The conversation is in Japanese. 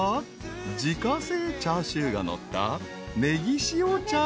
［自家製チャーシューがのった］